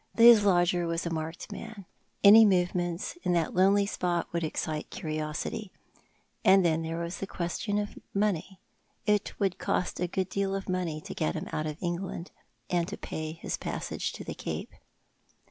Ilis lodger was a marked man. Any movements in that lonely spot would excite curiosity. And then tliere was the question of money. It would cost a good deal of money to get him out of England — to pay his passage to the Cape.